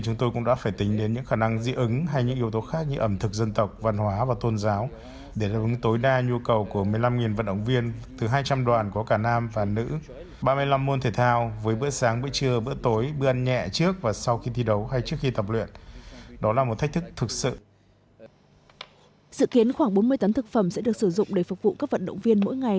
dự kiến khoảng bốn mươi tấn thực phẩm sẽ được sử dụng để phục vụ các vận động viên mỗi ngày